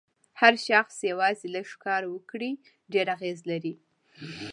هر شخص یوازې لږ کار وکړي ډېر اغېز لري.